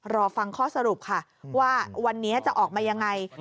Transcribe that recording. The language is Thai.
รอฟังข้อสรุปค่ะว่าวันนี้จะออกมายังไง